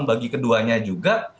bagi keduanya juga